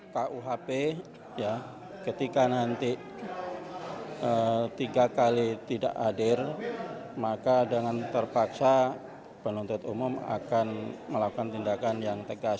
dua ribu dua puluh empat kuhp ketika nanti tiga kali tidak hadir maka dengan terpaksa penonton umum akan melakukan tindakan yang tegas